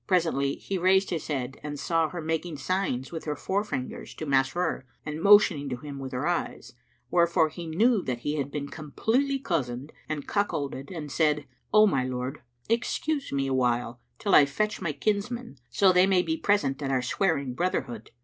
Presently, he raised his head and saw her making signs[FN#348] with her forefingers to Masrur and motioning to him with her eyes, wherefore he knew that he had been completely cozened and cuckolded and said, "O my lord, excuse me awhile, till I fetch my kinsmen, so they may be present at our swearing brotherhood."